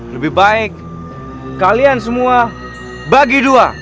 lebih baik kalian semua bagi dua